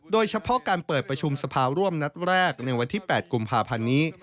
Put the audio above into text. โดยเฉพาะการเปิดประชุมสภาร่วมนัดแรกในวันที่๘กุมภาพันธ์นี้